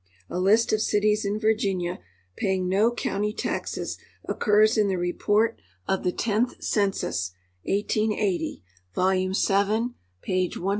A list of cities in Virginia paying no county taxes occurs in the Report of the Tenth Census (1880), volume 7, page 117.